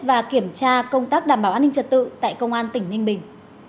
và kiểm tra công tác đảm bảo an ninh trật tự tại công an tỉnh ninh bình